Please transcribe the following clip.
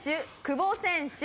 久保選手